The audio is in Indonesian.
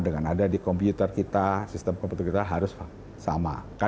dengan ada di komputer kita sistem komputer kita harus sama